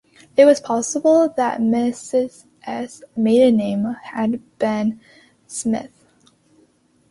It was possible that Mrs. S's maiden name had been Smith.